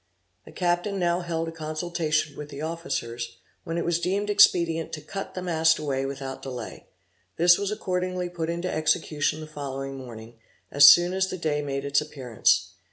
The captain now held a consultation with the officers, when it was deemed expedient to cut the mast away without delay: this was accordingly put into execution the following morning, as soon as the day made its appearance.